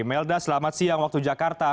melda selamat siang waktu jakarta